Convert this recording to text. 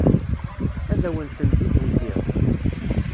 Ad wen-tent-id-heggiɣ?